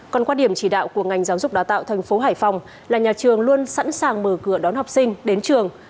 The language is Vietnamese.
còn quan điểm chỉ đạo của ngành giáo dục đào tạo thành phố hải phòng là nhà trường luôn sẵn sàng mở cửa đón học sinh đến trường